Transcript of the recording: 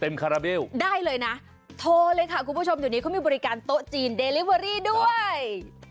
คาราเบลได้เลยนะโทรเลยค่ะคุณผู้ชมเดี๋ยวนี้เขามีบริการโต๊ะจีนเดลิเวอรี่ด้วย